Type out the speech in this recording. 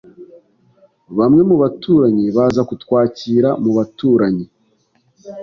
Bamwe mu baturanyi baza kutwakira mu baturanyi.